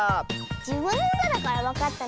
じぶんのうただからわかったのかもね。